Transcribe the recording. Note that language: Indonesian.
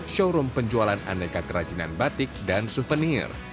showroom penjualan aneka kerajinan batik dan souvenir